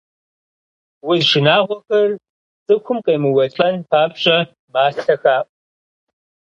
Уз шынагъуэхэр цӀыхум къемыуэлӀэн папщӀэ, мастэ хаӏу.